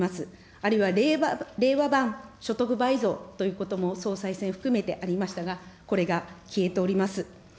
あるいは令和版所得倍増ということばも総裁選含めてありましたが、これが消えております。